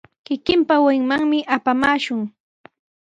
Kikinpa wasinmanmi apamaashun.